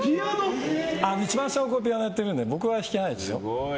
一番下の子がピアノやってるので僕は弾けないですよ。